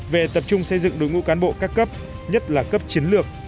về tập trung xây dựng đối ngũ cán bộ các cấp nhất là cấp chiến lược